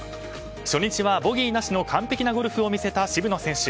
初日はボギーなしの完璧なゴルフを見せた渋野選手。